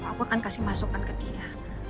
aku akan kasih masukan ke dia